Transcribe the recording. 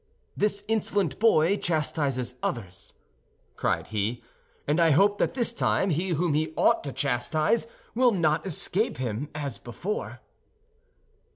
"This insolent boy chastises others," cried he; "and I hope that this time he whom he ought to chastise will not escape him as before."